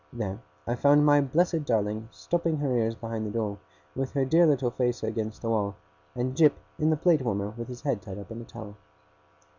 There I found my blessed darling stopping her ears behind the door, with her dear little face against the wall; and Jip in the plate warmer with his head tied up in a towel.